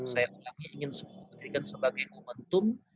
saya ingin menjadikan sebagai momentum